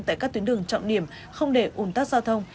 tại các tuyến đường trọng điểm không để ủn tắc giao thông